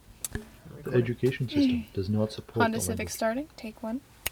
The education system does not support the language.